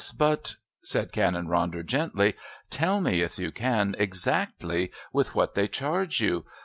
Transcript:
But," said Canon Ronder gently, "tell me, if you can, exactly with what they charge you.